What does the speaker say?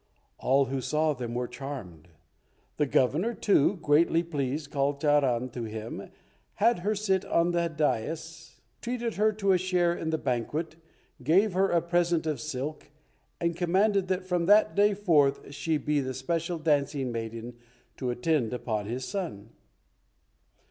All who saw them were charmed. The Governor, too, greatly pleased, called Charan to him, had her sit on the dais, treated her to a share in the banquet, gave her a present of silk, and commanded that from that day forth she be the special dancing maiden to attend upon his son.